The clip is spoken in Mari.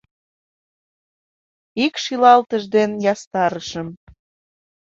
Ик шӱлалтыш дене ястарышым.